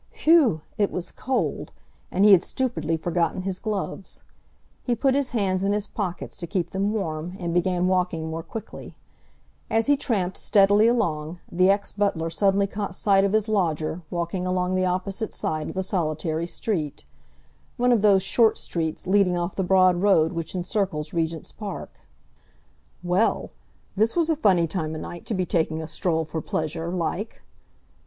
Whew! it was cold; and he had stupidly forgotten his gloves. He put his hands in his pockets to keep them warm, and began walking more quickly. As he tramped steadily along, the ex butler suddenly caught sight of his lodger walking along the opposite side of the solitary street—one of those short streets leading off the broad road which encircles Regent's Park. Well! This was a funny time o' night to be taking a stroll for pleasure, like!